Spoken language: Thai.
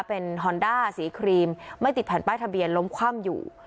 เป็นฮอนด้าสีครีมไม่ติดแผ่นป้ายทะเบียนล้มคว่ำอยู่